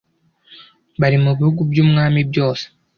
Bari mu bihugu by umwami byose